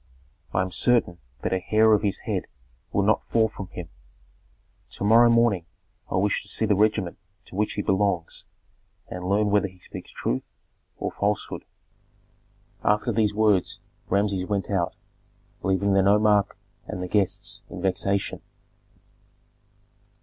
I am certain that a hair of his head will not fall from him. To morrow morning I wish to see the regiment to which he belongs and learn whether he speaks truth or falsehood." After these words Rameses went out, leaving the nomarch and the guests in vexation.